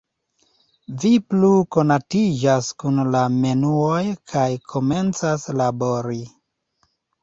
Vi plu konatiĝas kun la menuoj kaj komencas labori.